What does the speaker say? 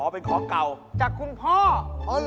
อ๋อเป็นของเก่าจากคุณพ่ออ๋อเหรอ